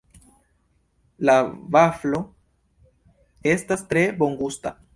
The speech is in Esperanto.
La vaflo estas tre bongusta.